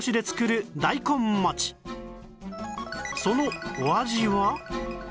そのお味は？